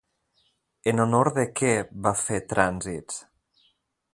En honor de què va fer Trànsits?